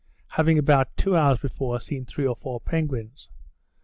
having about two hours before seen three or four penguins.